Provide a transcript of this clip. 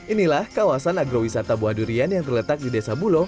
inilah kawasan agrowisata buah durian yang terletak di desa bulog